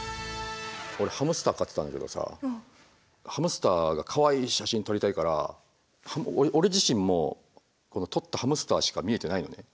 俺ハムスター飼ってたんだけどさハムスターがかわいい写真撮りたいから俺自身も撮ったハムスターしか見えてないのね。